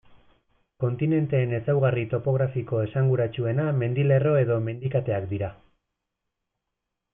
Kontinenteen ezaugarri topografiko esanguratsuena mendilerro edo mendikateak dira.